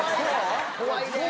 怖いねえ。